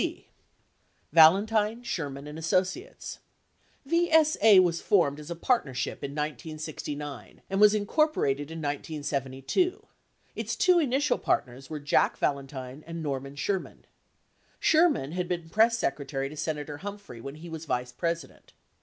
C. Valentine, Sherman, and Associates VSA was formed as a partnership in 1969 and was incorporated in 1972. Its two initial partners were Jack Valentine and Norman Sher man. Sherman had been Press Secretary to Senator Humphrey when he was Vice President.